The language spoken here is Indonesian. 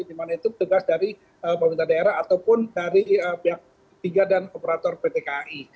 di mana itu tugas dari pemerintah daerah ataupun dari pihak ketiga dan operator pt kai